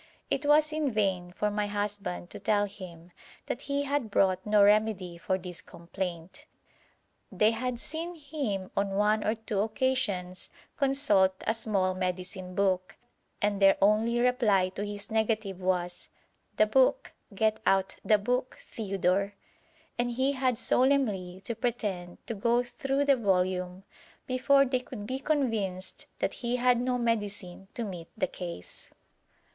It was in vain for my husband to tell him that he had brought no remedy for this complaint. They had seen him on one or two occasions consult a small medicine book, and their only reply to his negative was, 'The book; get out the book, Theodore,' and he had solemnly to pretend to go through the volume before they could be convinced that he had no medicine to meet the case.